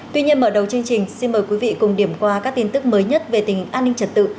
tuy nhiên mở đầu chương trình xin mời quý vị cùng điểm qua các tin tức mới nhất về tình an ninh trật tự